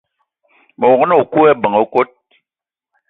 Me wog-na o kousma leben le kot